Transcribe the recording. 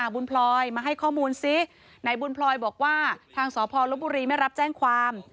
พลอยมาให้ข้อมูลซิไหนบุญพลอยบอกว่าทางสพลบุรีไม่รับแจ้งความ